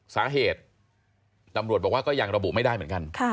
สาเหตุตำรวจบอกว่าก็ยังระบุไม่ได้เหมือนกัน